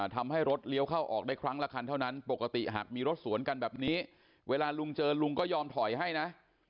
ทำให้รถเลี้ยวเข้าออกได้ครั้งละคันเท่านั้นปกติหากมีรถสวนกันแบบนี้เวลาลุงเจอลุงก็ยอมถอยให้นะ